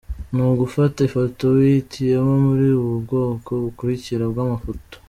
Ni ugufata ifoto wihitiyemo muri ubu bwoko bukurikira bw’amafoto:.